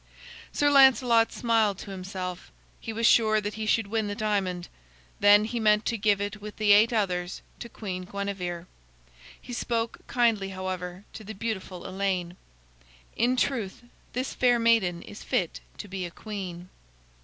Sir Lancelot smiled to himself. He was sure that he should win the diamond. Then he meant to give it with the eight others to Queen Guinevere. He spoke kindly, however, to the beautiful Elaine. "In truth, this fair maiden is fit to be a queen."